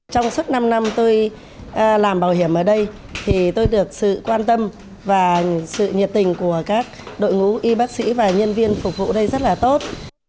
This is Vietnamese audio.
trong suốt năm năm tôi làm bảo hiểm ở đây thì tôi được sự quan tâm và sự nhiệt tình của các đội ngũ y bác sĩ và nhân viên phục vụ đây rất là tốt